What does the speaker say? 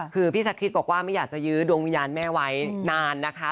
คือพี่ชะคริสบอกว่าไม่อยากจะยื้อดวงวิญญาณแม่ไว้นานนะคะ